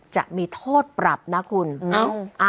จะมีโทษปรับครับ